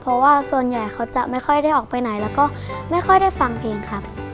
เพราะว่าส่วนใหญ่เขาจะไม่ค่อยได้ออกไปไหนแล้วก็ไม่ค่อยได้ฟังเพลงครับ